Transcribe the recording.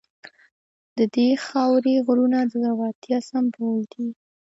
د دې خاورې غرونه د زړورتیا سمبول دي.